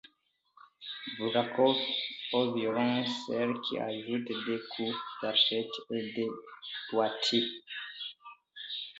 Bourlakov au violoncelle qui ajoute des coups d'archet et des doigtés.